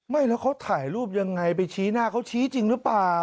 ไม่แล้วเขาถ่ายรูปยังไงไปชี้หน้าเขาชี้จริงหรือเปล่า